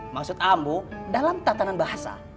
maksud ambo dalam tatanan bahasa